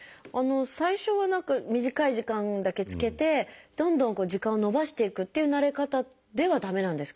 最初は短い時間だけ着けてどんどん時間を延ばしていくっていう慣れ方では駄目なんですか？